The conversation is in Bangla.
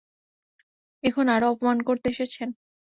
এখন আরও অপমান করতে এসেছেন?